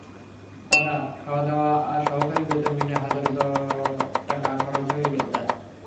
চাঁদা, খাওয়া-দাওয়া এবং সহকারীর বেতন মিলে হাজার টাকা খরচ হয়ে যায়।